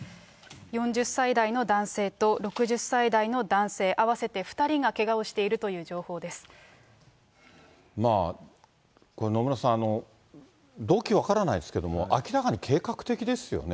４０歳代の男性と６０歳代の男性合わせて２人がけがをしていると野村さん、動機分からないですけども、明らかに計画的ですよね。